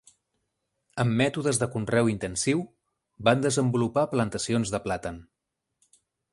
Amb mètodes de conreu intensiu, van desenvolupar plantacions de plàtan.